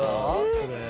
それ。